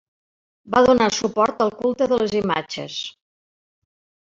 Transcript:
Va donar suport al culte de les imatges.